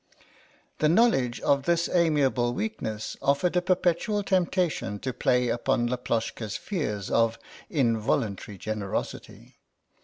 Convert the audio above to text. The knowledge of this amiable weakness offered a perpetual temptation to play upon Laploshka's fears of involuntary generosity.